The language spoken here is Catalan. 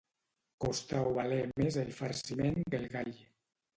Costar o valer més el farciment que el gall.